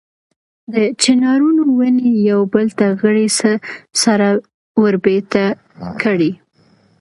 د چنارونو ونې یو بل ته غړۍ سره وربېرته کړي.